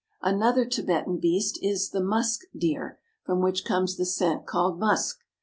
Another Tibetan beast is the musk deer, from which comes the scent called musk.